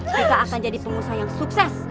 mereka akan jadi pengusaha yang sukses